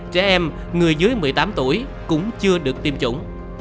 trẻ em người dưới một mươi tám tuổi cũng chưa được tiêm chủng